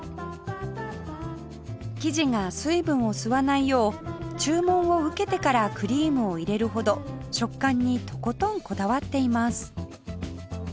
生地が水分を吸わないよう注文を受けてからクリームを入れるほど食感にとことんこだわっています